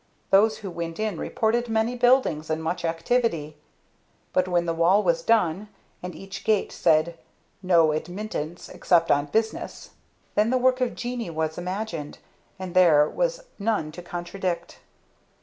Those who went in reported many buildings, and much activity. But, when the wall was done, and each gate said "No admittance except on business," then the work of genii was imagined, and there was none to contradict.